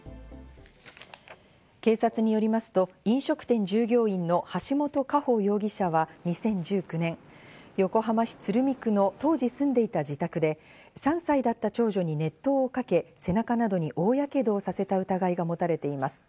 警察によりますと飲食店従業員の橋本佳歩容疑者は２０１９年、横浜市鶴見区の当時住んでいた自宅で、３歳だった長女に熱湯をかけ、背中などに大やけどをさせた疑いが持たれています。